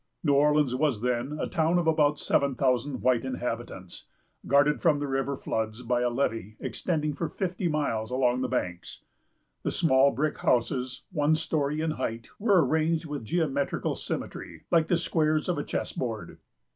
New Orleans was then a town of about seven thousand white inhabitants, guarded from the river floods by a levee extending for fifty miles along the banks. The small brick houses, one story in height, were arranged with geometrical symmetry, like the squares of a chess board.